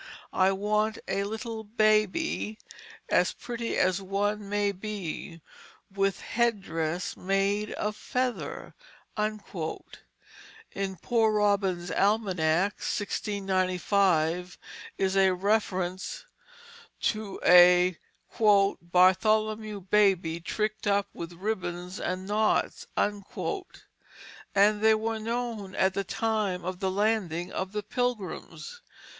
I want a little Babye As pretty a one as may be With head dress made of Feather." In Poor Robin's Almanack, 1695, is a reference to a "Bartholomew baby trickt up with ribbons and knots"; and they were known at the time of the landing of the Pilgrims.